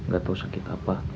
gak tau sakit apa